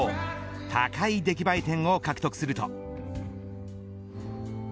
高い出来栄え点を獲得すると。